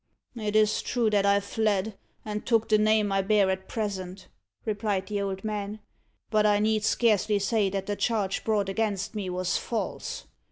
"It is true that I fled, and took the name I bear at present," replied the old man, "but I need scarcely say that the charge brought against me was false.